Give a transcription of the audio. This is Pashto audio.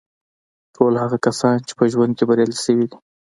ټول هغه کسان چې په ژوند کې بریالي شوي دي